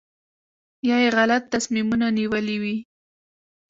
یا یې غلط تصمیمونه نیولي وي.